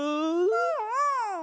うんうん。